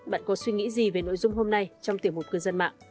bạn có suy nghĩ gì về nội dung hôm nay trong tiểu mục cư dân mạng